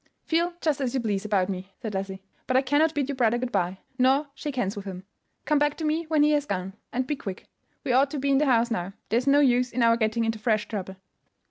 "Feel just as you please about me," said Leslie; "but I cannot bid your brother good by, nor shake hands with him. Come back to me when he has gone, and be quick. We ought to be in the house now. There is no use in our getting into fresh trouble."